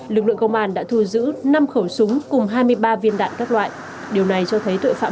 lực lượng công an đã thu giữ năm khẩu súng cùng hai mươi ba viên đạn các loại điều này cho thấy tội phạm